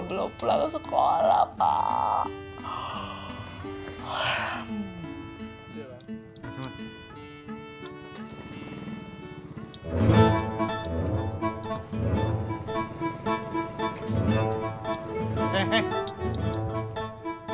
belom pulang sekolah pak